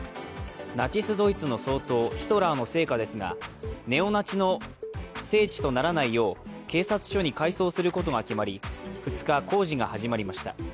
ナチス・ドイツの総統、ヒトラーの生家ですがネオナチの聖地とならないよう警察署に改装することが決まり２日、工事が始まりました。